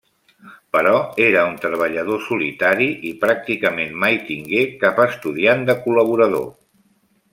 Però era un treballador solitari i pràcticament mai tingué cap estudiant de col·laborador.